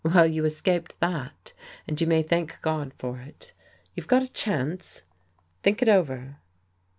Well, you escaped that, and you may thank God for it. You've got a chance, think it over.